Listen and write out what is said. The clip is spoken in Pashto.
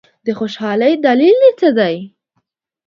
د خوشالۍ دلیل دي څه دی؟